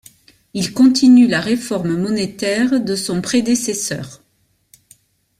Il continue la réforme monétaire de son prédécesseur.